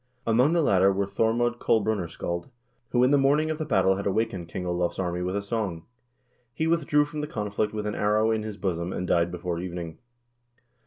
Among the latter were Thormod Kolbrunarskald, who on the morning of the battle had awakened King Olav's army with a song. He withdrew from the conflict witli an arrow in his bosom and died before evening.